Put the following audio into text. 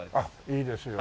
いいですよね。